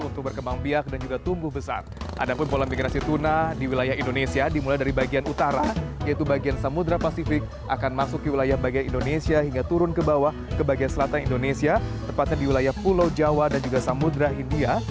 tuna berada di bagian selatan indonesia tepatnya di wilayah pulau jawa dan juga samudera hindia